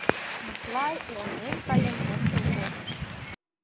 Миклай элнен каен воштыл колтыш.